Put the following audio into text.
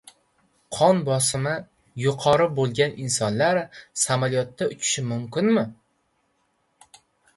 Qon bosimi yuqori bo‘lgan insonlar samolyotda uchishi mumkinmi?